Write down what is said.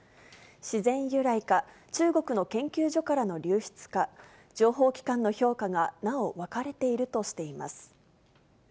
自然由来か、中国の研究所からの流出か、情報機関の評価がなお分かれているとしています。